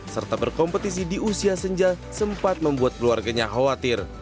serta berkompetisi di usia senja sempat membuat keluarganya khawatir